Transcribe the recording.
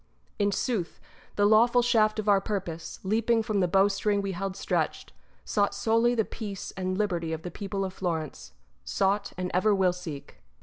In sooth, the lawful shaft of our purpose, leaping from the bowstring we held stretched, sought solely the peace and liberty of the people of Florence — sought, and ever will seek.